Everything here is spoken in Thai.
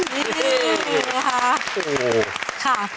โอ้โหค่ะ